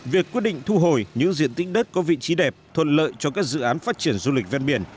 việc quyết định thu hồi những diện tích đất có vị trí đẹp thuận lợi cho các dự án phát triển du lịch ven biển